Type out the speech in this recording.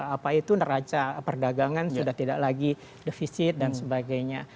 apa itu neraca perdagangan sudah tidak lagi defisit dan sebagainya